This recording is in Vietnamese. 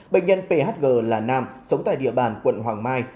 bệnh nhân phg là nam sống tại địa bàn quận hoàng mai